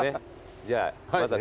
じゃあまずは。